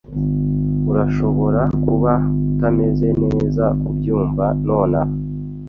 Urashobora kuba utameze neza kubyumva nonaha,